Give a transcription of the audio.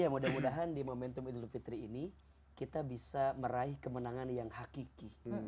ya mudah mudahan di momentum idul fitri ini kita bisa meraih kemenangan yang hakiki